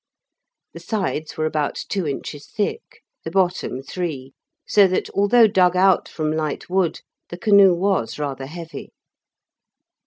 The sides were about two inches thick, the bottom three, so that although dug out from light wood the canoe was rather heavy.